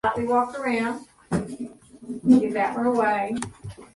Systematic recovery of the text began during the Renaissance.